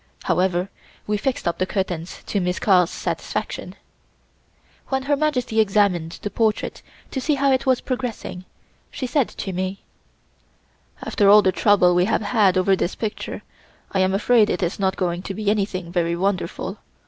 However, we fixed up the curtains to Miss Carl's satisfaction. When Her Majesty examined the portrait to see how it was progressing, she said to me: "After all the trouble we have had over this picture, I am afraid it is not going to be anything very wonderful.